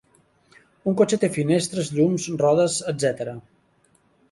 Un cotxe té finestres, llums, rodes, etc.